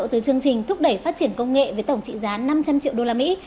từ chương trình thúc đẩy phát triển công nghệ với tổng trị giá năm trăm linh triệu usd